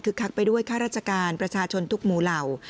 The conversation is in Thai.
คือคักไปด้วยข้าราชการประชาชนทุกหมู่เหล่า